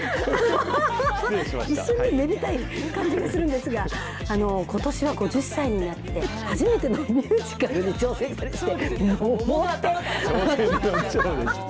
一瞬、めでたい感じがするんですが、ことしは５０歳になって、初めてのミュージカルに挑戦したりして。